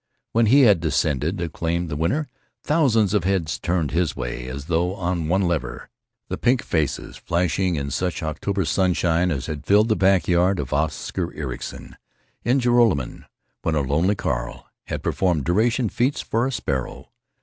When he had descended—acclaimed the winner—thousands of heads turned his way as though on one lever; the pink faces flashing in such October sunshine as had filled the back yard of Oscar Ericson, in Joralemon, when a lonely Carl had performed duration feats for a sparrow.